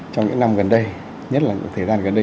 trong những năm gần đây nhất là những thời gian gần đây